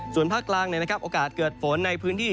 ส่วนภาคกลางโอกาสเกิดฝนในพื้นที่